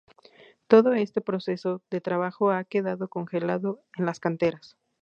Todo este proceso de trabajo ha quedado congelado en las canteras.